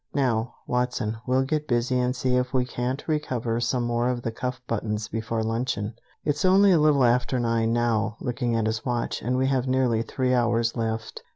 Now, Watson, we'll get busy and see if we can't recover some more of the cuff buttons before luncheon. It's only a little after nine now," looking at his watch, "and we have nearly three hours left.